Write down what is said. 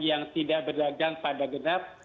yang tidak berdagang pada genap